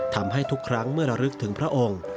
ทำให้ทุกครั้งเมื่อระลึกถึงพระองค์